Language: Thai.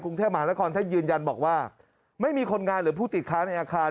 กรุงเทพมหานครท่านยืนยันบอกว่าไม่มีคนงานหรือผู้ติดค้าในอาคาร